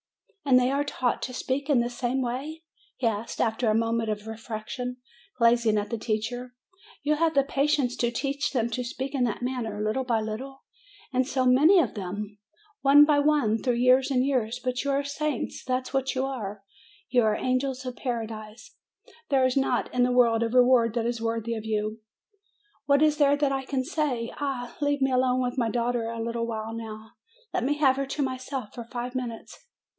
"And they are taught to speak in the same way?" he asked, after a moment of reflection, gazing at the teacher. 'You have the patience to teach them to speak in that manner, little by little, and so many of them? one by one through years and years. But you are saints; that's what you are! You are angels of paradise ! There is not in the world a reward that is worthy of you! What is there that I can say? Ah! leave me alone with my daughter a little while now. Let me have her to myself for five minutes."